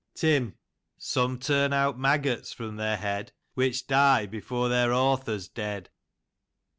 Tim : "Some turn out maggots from their head, Which die before their author '3 dead.